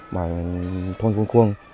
mà thôn khuôn khuôn